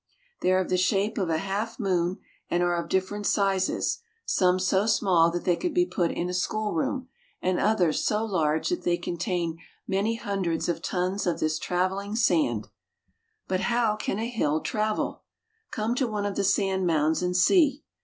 They are of the shape of a half moon and are of different sizes, some so small that they could be put into a schoolroom, and others so large that they contain many hundreds of tons of this traveling sand. But how can a hill travel? Come to one of the sand mounds and see.